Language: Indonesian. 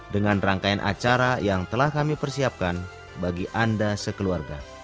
dengan rangkaian acara yang telah kami persiapkan bagi anda sekeluarga